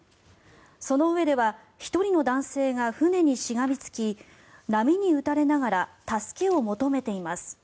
その上では１人の男性が船にしがみつき波に打たれながら助けを求めています。